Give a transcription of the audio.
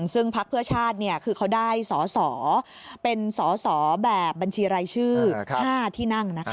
ซึ่งพักเพื่อชาติคือเขาได้สอสอเป็นสอสอแบบบัญชีรายชื่อ๕ที่นั่งนะคะ